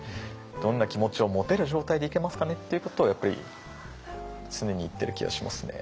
どんな気持ちを持てる状態でいけますかねっていうことをやっぱり常に言ってる気がしますね。